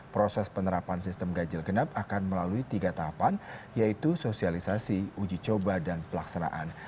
proses penerapan sistem ganjil genap akan melalui tiga tahapan yaitu sosialisasi uji coba dan pelaksanaan